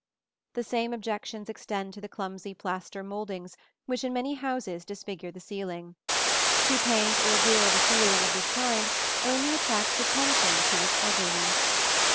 The same objections extend to the clumsy plaster mouldings which in many houses disfigure the ceiling. To paint or gild a ceiling of this kind only attracts attention to its ugliness.